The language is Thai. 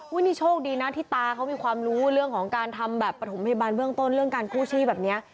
นี่โชคดีนะที่ตาเขามีความรู้เรื่องของการทำแบบประถมพยาบาลเบื้องต้นเรื่องการกู้ชีพแบบนี้